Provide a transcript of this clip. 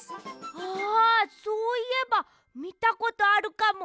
あそういえばみたことあるかも。